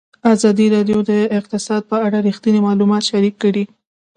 ازادي راډیو د اقتصاد په اړه رښتیني معلومات شریک کړي.